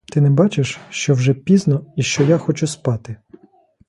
Ти не бачиш, що вже пізно і що я хочу спати?